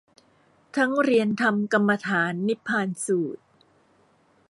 ทั้งเรียนธรรมกรรมฐานนิพพานสูตร